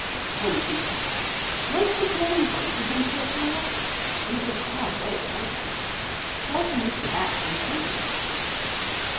When he did come out most of the crawling bugs had been caught by others, and it was hard work finding them. So often Mr. Bat went hungry.